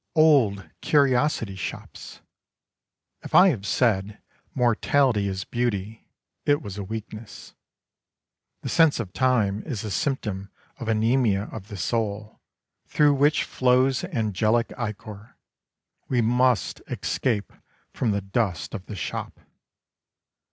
Old Curiosity Shops! If I have said 'Mortality is beauty,' it was a weakness. The sense of time is a symptom of anaemia of the soul, through which flows angelic ichor. We must escape from the dust of the shop.